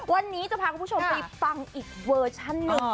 วันนี้จะพาคุณผู้ชมไปฟังอีกเวอร์ชันหนึ่ง